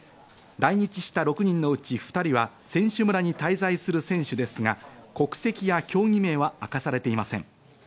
来日した６人のうち２人は選手村に滞在する選手ですが、国籍や競技名は明かされていません。